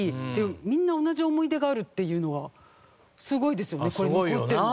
みんな同じ思い出があるっていうのはすごいですよねこれ残ってるの。